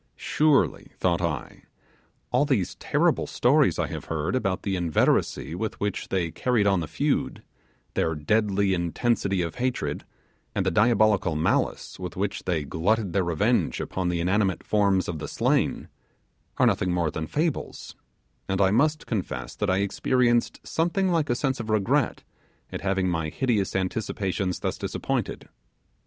Surely, thought I, all these terrible stories I have heard about the inveteracy with which they carried on the feud, their deadly intensity, of hatred and the diabolical malice with which they glutted their revenge upon the inanimate forms of the slain, are nothing more than fables, and I must confess that I experienced something like a sense of regret at having my hideous anticipations thus disappointed.